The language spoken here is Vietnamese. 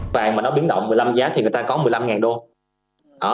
giá vàng mà nó biến động một mươi năm giá thì người ta có một mươi năm đô